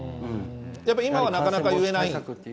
やっぱり今はなかなか言えない？